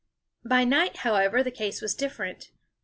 By night, however, the case was different.